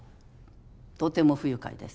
とても不愉快です。